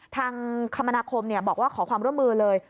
คมนาคมบอกว่าขอความร่วมมือเลย